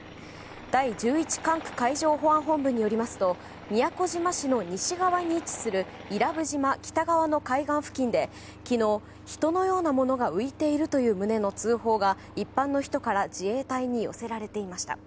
第１１管区海上保安本部によりますと宮古島市の西側に位置する伊良部島北側の海岸付近で昨日、人のようなものが浮いているという旨の通報が一般の人から自衛隊に寄せられていました。